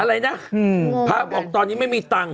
อะไรนะพระบอกตอนนี้ไม่มีตังค์